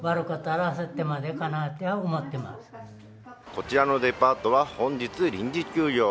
こちらのデパートは本日、臨時休業。